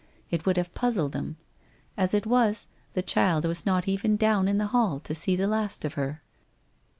It would have puzzled them. As it was, the child was not even down in the hall to see the last of her.